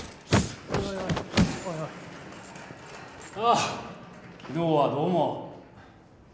あ昨日はどうも。